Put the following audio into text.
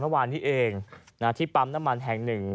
เมื่อวานนี้เองที่ปั๊มน้ำมันแห่งหนึ่ง